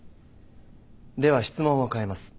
では質問を変えます。